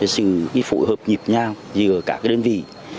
sự phối hợp nhịp nhau giữa các đơn vị